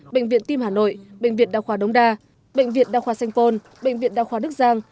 bệnh viện tim hà nội bệnh viện đào khoa đống đa bệnh viện đào khoa sanh phôn bệnh viện đào khoa đức giang